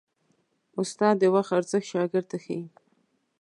استاد د وخت ارزښت شاګرد ته ښيي.